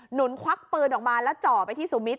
หนุนควักปืนออกมาแล้วจ่อไปที่สุมิท